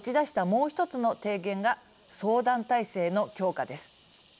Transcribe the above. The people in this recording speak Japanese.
もう１つの提言が相談体制の強化です。